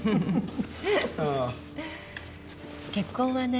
結婚はね。